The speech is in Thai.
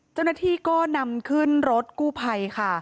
เจ้าหน้าที่ก็นำขึ้นรถกู้ภัยค่ะ